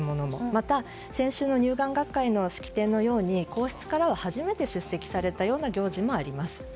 または先週の乳癌学会の式典のように皇室からは初めて出席されたような行事もあります。